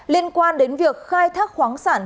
liên quan đến việc khai thác khoáng trọng